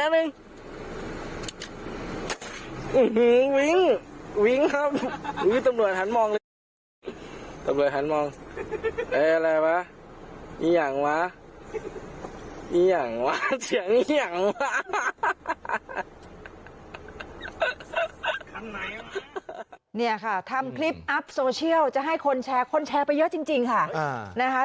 เนี่ยค่ะทำคลิปอัพโซเชียลจะให้คนแชร์คนแชร์ไปเยอะจริงค่ะนะคะ